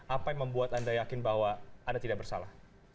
apa yang membuat anda yakin bahwa anda tidak bersalah